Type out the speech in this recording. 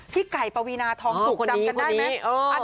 พี่ไก่ปวีนาทองสุกจำกันได้ไหม